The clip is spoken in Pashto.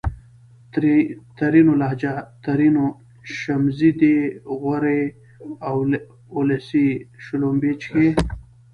ترينو لهجه ! ترينو : شمزې دي غورې اولسۍ :شلومبې چښې